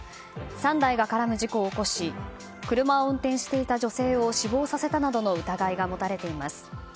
３台が絡む事故を起こし車を運転していた女性を死亡させたなどの疑いが持たれています。